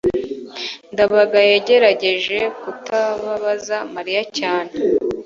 ndabaga yagerageje kutababaza mariya cyane